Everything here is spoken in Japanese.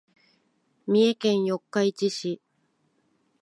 三重県四日市市